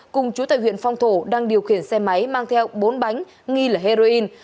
cùng chú tại huyện phong thổ đang điều khiển xe máy mang theo bốn bánh nghi là heroin